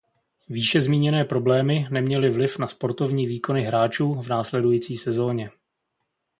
Výše zmíněné problémy neměly vliv na sportovní výkony hráčů v následující sezóně.